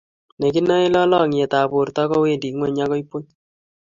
Ne kinae lalangiet ab borto ko wendi ngweny akoi buch